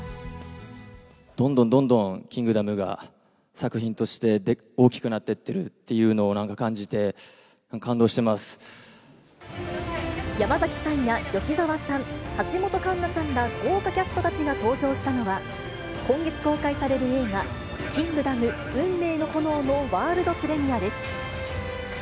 どんどんどんどんキングダムが作品として大きくなってってるというのをなんか感じて、感動し山崎さんや吉沢さん、橋本環奈さんら、豪華キャストたちが登場したのは、今月公開される映画、キングダム運命の炎のワールドプレミアです。